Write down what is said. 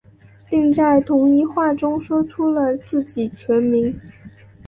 另在同一话中说出了自己全名。